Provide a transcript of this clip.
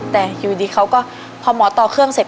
แต่อยู่ดีเขาก็พอหมอต่อเครื่องเสร็จ